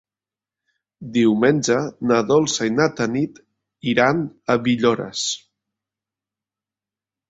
Diumenge na Dolça i na Tanit iran a Villores.